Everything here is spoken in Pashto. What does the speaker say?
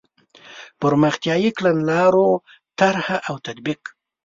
پرمختیایي کړنلارو طرح او تطبیق.